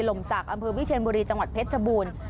หล่มสากอำเภอวิเชียนบุรีจังหวัดเพชรบูน